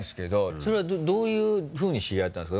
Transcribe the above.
それはどういうふうに知り合ったんですか？